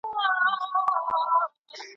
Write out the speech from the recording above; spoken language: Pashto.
دا وه په ورځ د لېلا مخ او اوس په شپه سوه سپوږمۍ